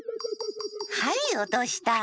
はいおとした。